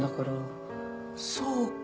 そうか。